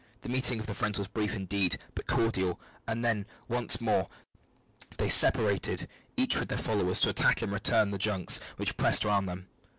The meeting of the friends was brief indeed, but cordial, and then once more they separated, each with their followers, to attack in return the junks which pressed round them.